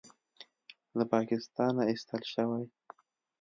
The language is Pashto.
له پاکستانه ایستل شوی